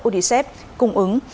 udcep cung ứng